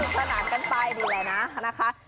เล่นสนุกสนานกันไปดีแล้วนะนะคะ